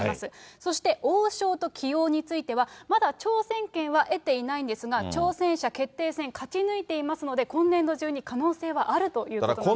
そして王将と棋王については、まだ挑戦権は得ていないんですが、挑戦者決定戦、勝ち抜いていますので、今年度中に可能性はあるということになります。